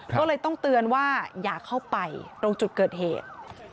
ก็เลยต้องเตือนว่าอย่าเข้าไปตรงจุดเกิดเหตุ